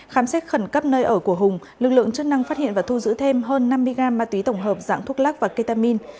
khám xét khẩn cấp nơi ở của hùng lực lượng chức năng phát hiện và thu giữ thêm hơn năm mươi gram ma túy tổng hợp dạng thuốc lắc và ketamin